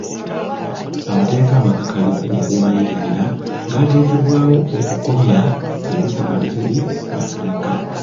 Amateeka amakakali ku nkuuma y'ebibira gateekebwawo okukomya ebikolwa ebitali mu mateeka.